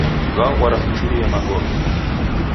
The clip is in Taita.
W'aghora kuchurie magome.